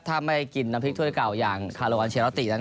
ถ้าไม่กินน้ำพริกถ้วยเก่าอย่างคาโลวัลเชราตินั้น